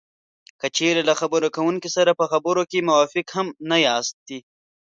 که چېرې له خبرې کوونکي سره په خبرو کې موافق هم نه یاستی